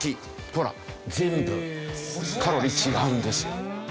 ほら全部カロリー違うんですよ。